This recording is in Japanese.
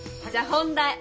じゃあ本題。